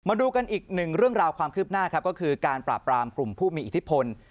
มาดูกันอีกหนึ่งเรื่องราวความคืบหน้าครับก็คือการปราบรามกลุ่มผู้มีอิทธิพล